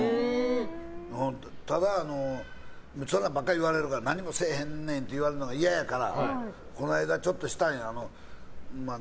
ただ、そんなんばっかり言われるから何もせえへんって言われるのがいややからこの間、ちょっとしたんや。